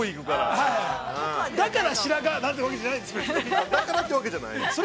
◆だからってわけじゃないの。